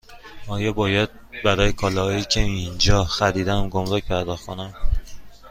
آیا باید برای کالاهایی که اینجا خریدم گمرگ پرداخت کنم؟